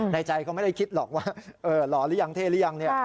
ในใจเขาไม่ได้คิดหรอกว่าหล่อหรือยังเท่หรือยังเนี่ย